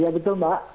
iya betul mbak